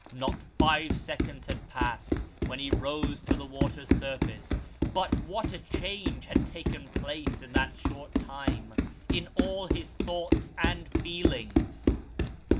Not five seconds had passed when he rose to the water's surface but what a change had taken place in that short time, in all his thoughts and feelings